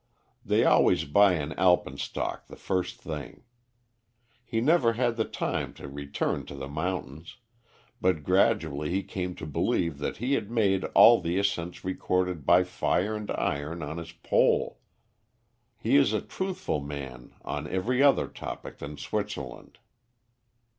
They always buy an alpenstock the first thing. He never had the time to return to the mountains, but gradually he came to believe that he had made all the ascents recorded by fire and iron on his pole. He is a truthful man on every other topic than Switzerland."